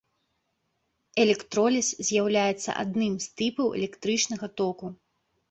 Электроліз з'яўляецца адным з тыпаў электрычнага току.